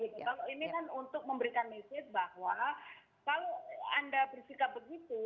kalau ini kan untuk memberikan mesej bahwa kalau anda bersikap begitu